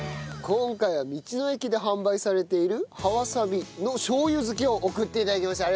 今回は道の駅で販売されている葉わさびのしょう油漬けを送って頂きました。